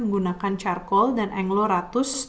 menggunakan charcoal dan englo ratus